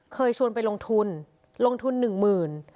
เคยชวนไปลงทุนลงทุน๑๐๐๐๐บาท